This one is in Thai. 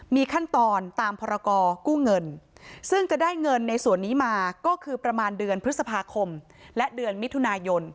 มีขั้นตอนตามพรกู้เงินซึ่งจะได้เงินในส่วนนี้มาก็คือประมาณเดือนพฤษภาคมและเดือนมิถุนายน